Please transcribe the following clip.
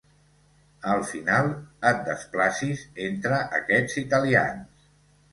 Al final et desplacis entre aquests italians.